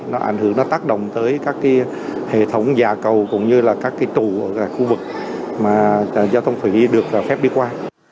nó ảnh hưởng nó tác động tới các hệ thống giả cầu cũng như là các cái tù ở khu vực mà giao thông thủy được phép đi qua